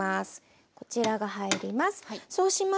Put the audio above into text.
こちらが入ります。